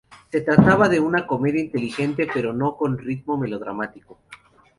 Se trataba de una comedia inteligente, pero con ritmo melodramático.